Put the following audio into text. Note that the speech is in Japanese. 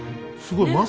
すごい。